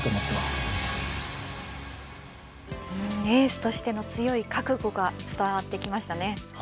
エースとしての強い覚悟が伝わってきましたね。